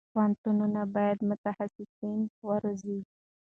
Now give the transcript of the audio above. پوهنتونونه باید متخصصین وروزي.